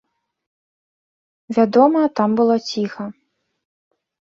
Вядома, там было ціха.